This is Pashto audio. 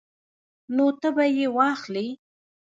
نو ته به یې واخلې